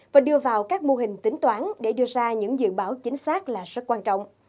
và đưa vào các mô hình tính toán để đưa ra những dự báo chính xác là rất quan trọng